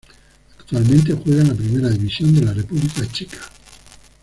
Actualmente juega en la Primera División de la República Checa.